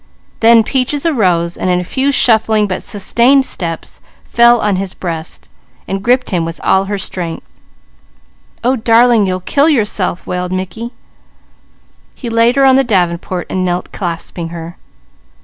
Then Peaches arose, and in a few shuffling but sustained steps fell on his breast, gripping him with all her strength. "Oh darling, you'll kill yourself," wailed Mickey. He laid her on the davenport and knelt clasping her.